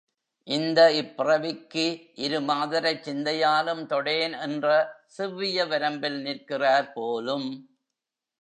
இந்த இப்பிறவிக்கு இரு மாதரைச் சிந்தையாலும் தொடேன் என்ற செவ்விய வரம்பில் நிற்கிறார் போலும்.